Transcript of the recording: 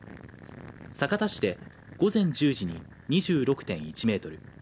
酒田市で、午前１０時に２６．１メートル